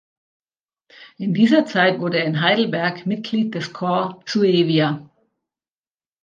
In dieser Zeit wurde er in Heidelberg Mitglied des Corps Suevia.